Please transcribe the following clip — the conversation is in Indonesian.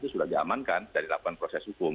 sudah diamankan dari lakukan proses hukum